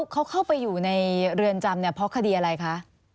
เขาเข้าไปอยู่ในเรือนจำเนี่ยเพราะคดีอะไรคะ